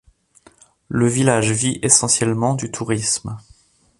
Le village vit essentiellement du tourisme.